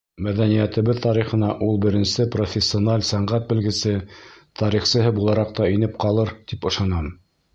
Мәҙәниәтебеҙ тарихына ул беренсе профессиональ сәнғәт белгесе, тарихсыһы булараҡ та инеп ҡалыр, тип ышанам.